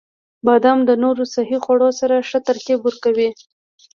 • بادام د نورو صحي خوړو سره ښه ترکیب ورکوي.